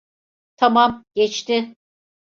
Tamam, geçti.